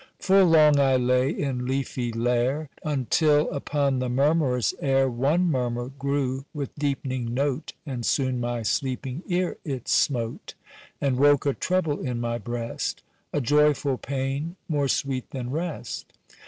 Full long I lay in leafy lair, Until, upon the murmurous air, One murmur grew with deep'ning note And soon my sleeping ear it smote, And woke a trouble in my breast— A joyful pain more sweet than rest.